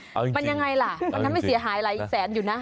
มันยังไงล่ะมันทำให้เสียหายหลายแสนอยู่นะ